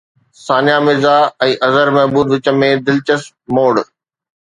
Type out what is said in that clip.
ثانيه مرزا ۽ اظهر محمود وچ ۾ دلچسپ موڙ